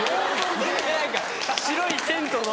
何か白いテントの。